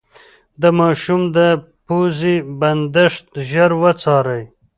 د ماشوم د پوزې بندښت ژر وڅارئ.